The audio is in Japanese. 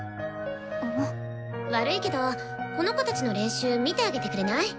悪いけどこの子たちの練習見てあげてくれない？